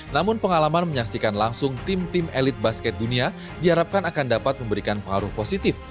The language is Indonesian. namun pengalaman menyaksikan langsung tim tim elit basket dunia diharapkan akan dapat memberikan pengaruh positif